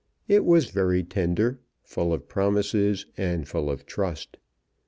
It was very tender, full of promises, and full of trust.